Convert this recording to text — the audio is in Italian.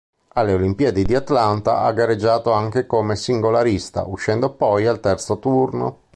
Alle Olimpiadi di Atlanta ha gareggiato anche come singolarista, uscendo poi al terzo turno.